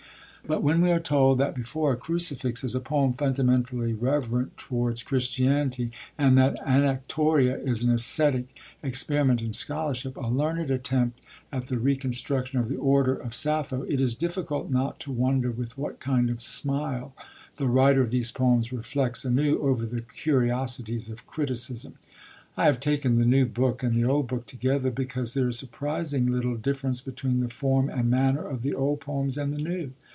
But when we are told that Before a Crucifix is a poem fundamentally reverent towards Christianity, and that Anactoria is an ascetic experiment in scholarship, a learned attempt at the reconstruction of the order of Sappho, it is difficult not to wonder with what kind of smile the writer of these poems reflects anew over the curiosities of criticism. I have taken the new book and the old book together, because there is surprisingly little difference between the form and manner of the old poems and the new.